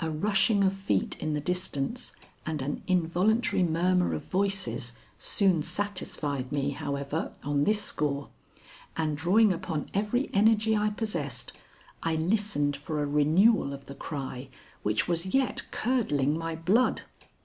A rushing of feet in the distance and an involuntary murmur of voices soon satisfied me, however, on this score, and drawing upon every energy I possessed, I listened for a renewal of the cry which was yet curdling my blood.